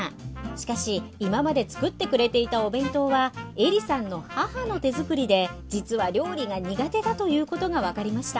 しかし今まで作ってくれていたお弁当はエリさんの母の手作りで実は料理が苦手だということが分かりました。